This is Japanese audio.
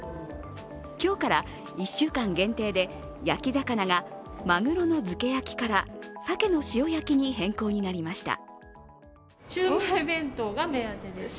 今日から１週間限定で焼き魚が鮪の漬け焼から鮭の塩焼きに変更になりました。